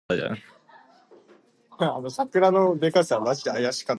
It is covered by a conservation area to preserve its character.